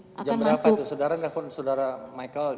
jam berapa itu saudara nelfon saudara michael